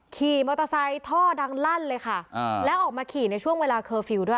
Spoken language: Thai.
ขี่มอเตอร์ไซค์ท่อดังลั่นเลยค่ะอ่าแล้วออกมาขี่ในช่วงเวลาเคอร์ฟิลล์ด้วย